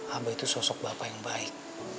hamba itu sosok bapak yang baik